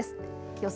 予想